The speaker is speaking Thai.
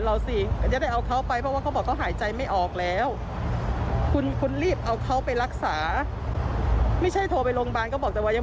เสียเงิน๓๕๐๐บาท๓๔๐๐บาทก็ยังไม่รู้ผลหรือคะ